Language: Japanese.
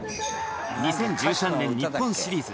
２０１３年日本シリーズ。